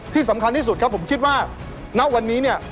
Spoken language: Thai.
ที่สำคัญที่สุดครับผมคิดว่าณวันนี้เนี่ย